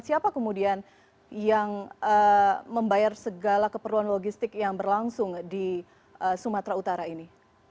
siapa kemudian yang membayar segala keperluan logistik yang berlangsung di sumatera utara ini